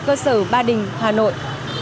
cơ sở ba đình hà nội